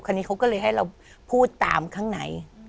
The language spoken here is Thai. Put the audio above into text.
นี้เขาก็เลยให้เราพูดตามข้างใน